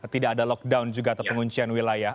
tidak ada lockdown juga atau penguncian wilayah